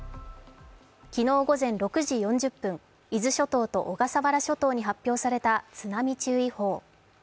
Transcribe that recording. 昨日午前６時４０分、伊豆諸島と小笠原諸島に発表された津波注意報。